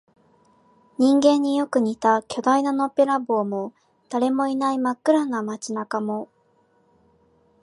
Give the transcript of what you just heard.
人間によく似た巨大なのっぺらぼうも、誰もいない真っ暗な街中も、